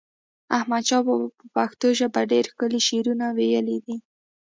احمد شاه بابا په پښتو ژپه ډیر ښکلی شعرونه وایلی دی